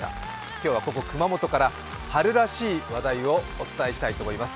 今日はここ熊本から春らしい話題をお伝えしたいと思います。